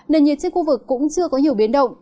nền nhiệt trên khu vực cũng chưa có nhiều biến động